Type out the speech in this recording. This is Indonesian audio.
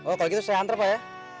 oh kalau gitu saya anter pak ya